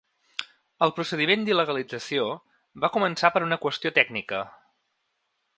El procediment d’il·legalització va començar per una qüestió tècnica.